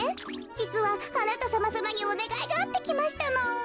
じつはあなたさまさまにおねがいがあってきましたの。